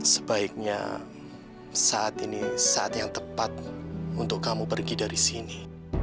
sebaiknya saat ini saat yang tepat untuk kamu pergi dari sini